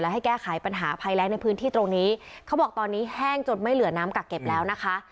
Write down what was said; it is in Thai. ให้แก้ไขปัญหาภัยแรงในพื้นที่ตรงนี้เขาบอกตอนนี้แห้งจนไม่เหลือน้ำกักเก็บแล้วนะคะ